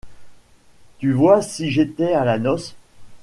Tu vois si j’étais à la noce!